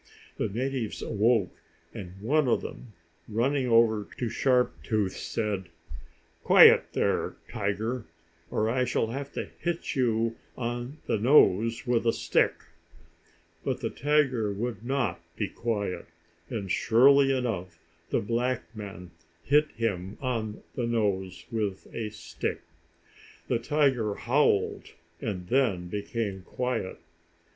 The natives awoke, and one of them, running over to Sharp Tooth, said: "Quiet here, tiger, or I shall have to hit you on the nose with a stick!" But the tiger would not be quiet, and, surely enough, the black man hit him on the nose with a stick. The tiger howled and then became quiet.